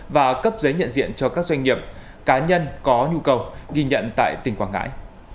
và cấp giấy nhận diện cho các doanh nghiệp cá nhân có nhu cầu ghi nhận tại tỉnh quảng ngãi